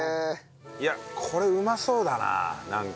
いやこれうまそうだななんか。